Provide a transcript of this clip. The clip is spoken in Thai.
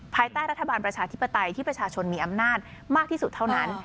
ภายใต้รัฐบาลประชาธิปไตยที่ประชาชนมีอำนาจมากที่สุดเท่านั้น